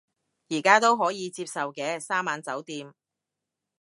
而家都可以接受嘅，三晚酒店